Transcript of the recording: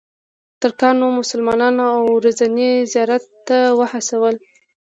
ترکانو مسلمانان اوو ورځني زیارت ته وهڅول.